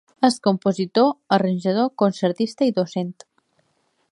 És compositor, arranjador, concertista i docent.